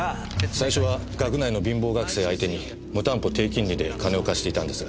最初は学内の貧乏学生相手に無担保低金利で金を貸していたんですが。